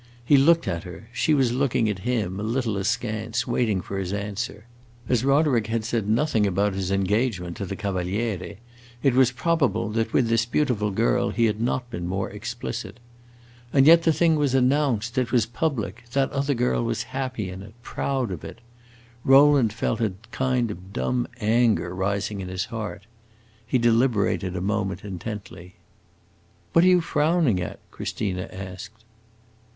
He looked at her; she was looking at him a little askance, waiting for his answer. As Roderick had said nothing about his engagement to the Cavaliere, it was probable that with this beautiful girl he had not been more explicit. And yet the thing was announced, it was public; that other girl was happy in it, proud of it. Rowland felt a kind of dumb anger rising in his heart. He deliberated a moment intently. "What are you frowning at?" Christina asked.